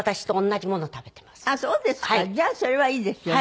じゃあそれはいいですよね。